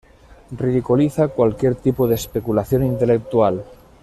Ridiculiza cualquier tipo de especulación intelectual.